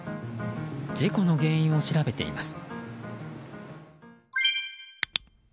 事故の原因を調べています。